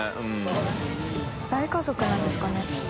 大家族なんですかね？